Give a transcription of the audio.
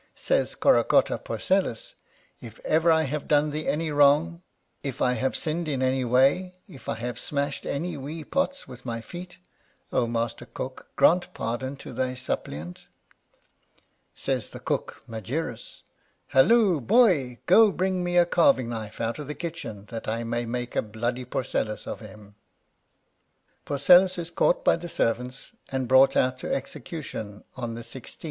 Says Corocotta Porcellus :" If ever I have done thee any wrong, if I have sinned in any way, if I have smashed any wee pots with my feet ; O Master Cook, grant pardon to thy sup pliant !" Says the cook Magirus :" Halloo, boy ! go, bring me a carving knife out of the kitchen, that I may make a bloody Porcellus of him." 43 Curiosities of Olden Times Porcellus is caught by the servants, and brought out to execution on the xvi.